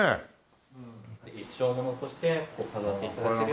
一生物として飾って頂ければ。